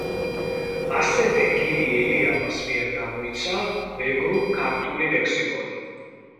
ასევე გივი ელიავას მიერ გამოიცა მეგრულ-ქართული ლექსიკონი.